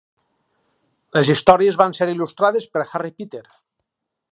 Les històries van ser il·lustrades per Harry Peter.